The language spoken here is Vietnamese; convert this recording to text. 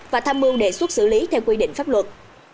và tham mưu đề xuất xử lý theo quy định pháp luật